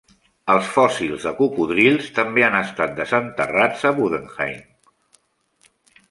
Els fòssils de cocodrils també han estat desenterrats a Budenheim.